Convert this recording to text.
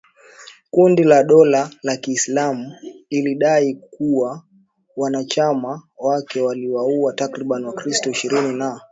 kundi la dola ya kiislamu ilidai kuwa wanachama wake waliwauwa takribani wakristo ishirini na